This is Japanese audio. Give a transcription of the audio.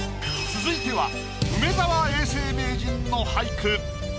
続いては梅沢永世名人の俳句。